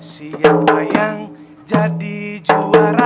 siapa yang jadi juara